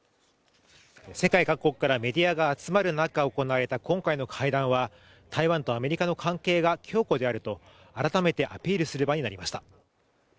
世界各国からメディアが集まるなか行われた今回の会談は台湾とアメリカの関係が強固であると改めてアピールする場になりました。